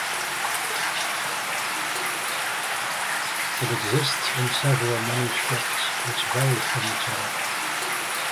It exists in several manuscripts which vary from each other.